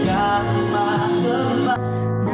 kau tak mau kembali